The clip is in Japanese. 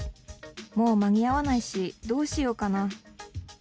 もう間に合わないしどうしようかな。